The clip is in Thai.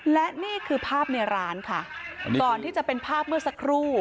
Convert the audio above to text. และนี่คือภาพในร้านค่ะก่อนที่จะเป็นภาพเมื่อสักครู่